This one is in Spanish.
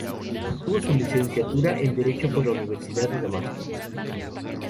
Obtuvo su licenciatura en Derecho por la Universidad de Damasco.